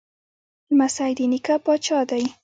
لمسی د نیکه پاچا دی.